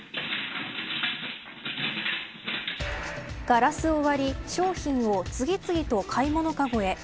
ガラスを割り商品を次々と買い物かごへ。